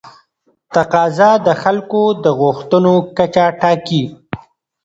تقاضا د خلکو د غوښتنو کچه ټاکي.